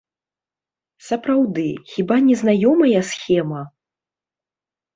Сапраўды, хіба не знаёмая схема?